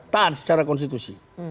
taat secara konstitusi